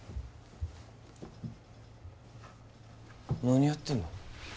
何やってんの？